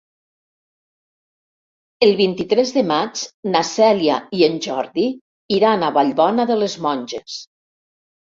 El vint-i-tres de maig na Cèlia i en Jordi iran a Vallbona de les Monges.